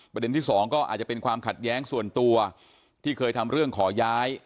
ที่สองก็อาจจะเป็นความขัดแย้งส่วนตัวที่เคยทำเรื่องขอย้าย